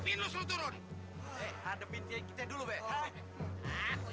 istirahat di sini tepat